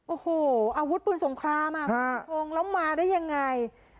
โอ้โหอาวุธปืนสงครามอ่ะค่ะโดมล้อมมาได้ยังไง